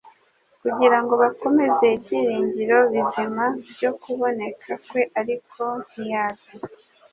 kugira ngo bakomeze ibyiringiro bizima byo kuboneka kwe ariko ntiyaza.